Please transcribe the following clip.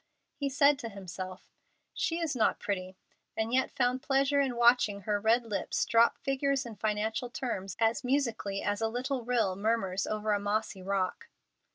He said to himself, "She is not pretty," and yet found pleasure in watching her red lips drop figures and financial terms as musically as a little rill murmurs over a mossy rock.